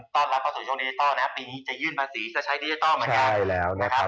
ตอนละครสุดช่วงดิจิทัลนะปีนี้จะยื่นภาษีซะใช้ดิจิทัลเหมือนกัน